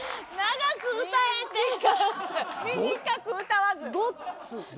短く歌わず。